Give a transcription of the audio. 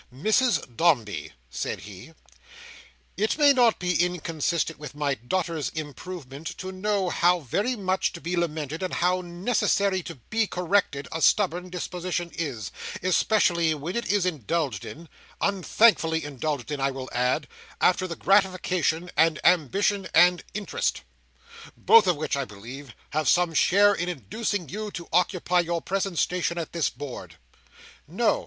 "Mrs Dombey," said he, "it may not be inconsistent with my daughter's improvement to know how very much to be lamented, and how necessary to be corrected, a stubborn disposition is, especially when it is indulged in—unthankfully indulged in, I will add—after the gratification of ambition and interest. Both of which, I believe, had some share in inducing you to occupy your present station at this board." "No!